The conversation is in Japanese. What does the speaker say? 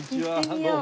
どうも。